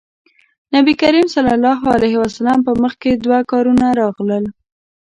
نبي کريم ص په مخکې دوه کارونه راغلل.